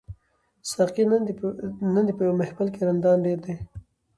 ساقي نن دي په محفل کي رندان ډیر دي